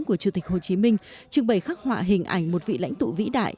của chủ tịch hồ chí minh trưng bày khắc họa hình ảnh một vị lãnh tụ vĩ đại